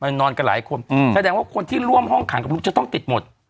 นอนกันหลายคนอืมแสดงว่าคนที่ร่วมห้องขังกับลูกจะต้องติดหมด